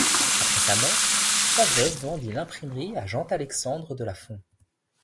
Après sa mort, sa veuve vendit l'imprimerie à Jean-Alexandre de la Font.